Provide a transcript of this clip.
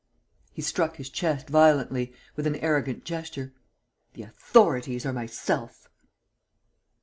He struck his chest violently, with an arrogant gesture: "The authorities are myself!"